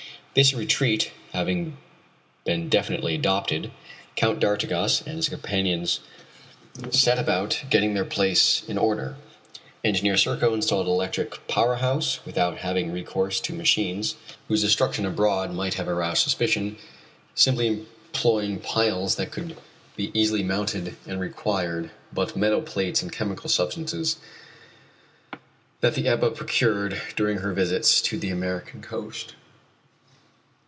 This retreat having been definitely adopted, Count d'Artigas and his companions set about getting their place in order. Engineer Serko installed an electric power house, without having recourse to machines whose construction abroad might have aroused suspicion, simply employing piles that could be easily mounted and required but metal plates and chemical substances that the Ebba procured during her visits to the American coast.